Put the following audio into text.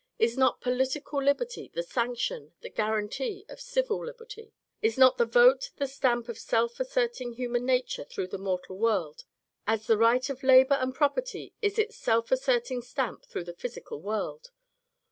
Is not political liberty the sanction, the guarantee of civil liberty ? Is not the vote the stamp of self asserting human nature through the moral world, as the right of labour and property is its self asserting stamp through the physical world